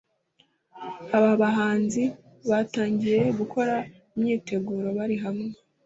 aba bahanzi batangiye gukora imyiteguro bari hamwe